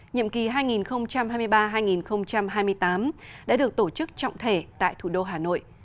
nhiệm kỳ hai nghìn hai mươi ba hai nghìn hai mươi tám đã được tổ chức trọng thể tại thủ đô hà nội